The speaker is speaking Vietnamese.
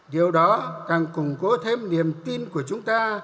điều đó càng củng cố thêm niềm tin của chúng ta